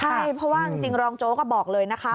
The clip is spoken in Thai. ใช่เพราะว่าจริงรองโจ๊กก็บอกเลยนะคะ